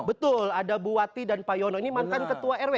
betul ada buati dan pak yono ini mantan ketua rw